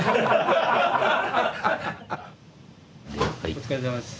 お疲れさまです。